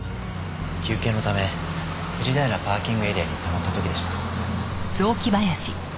休憩のため富士平パーキングエリアに止まった時でした。